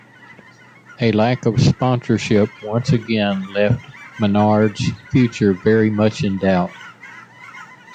A lack of sponsorship once again left Minardi's future very much in doubt.